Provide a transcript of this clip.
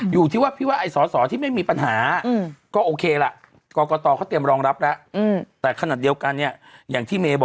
มันก็ยังได้อีกเดือนหนึ่งอย่างนั้นเม